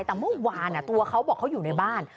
แต่เมื่อวานตัวเขาบอกเขาอยู่ในบ้าน